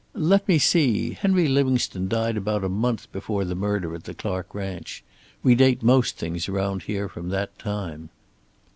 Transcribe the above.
"Let me see. Henry Livingstone died about a month before the murder at the Clark ranch. We date most things around here from that time."